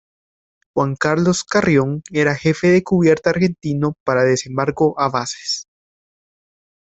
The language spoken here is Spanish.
Juan Carlos Carrión era Jefe de Cubierta Argentino para desembarco a Bases.